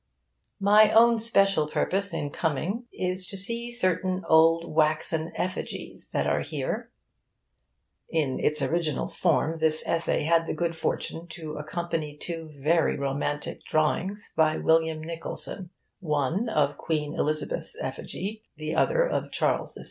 My own special purpose in coming is to see certain old waxen effigies that are here. [In its original form this essay had the good fortune to accompany two very romantic drawings by William Nicholson one of Queen Elizabeth's effigy, the other of Charles II.'s.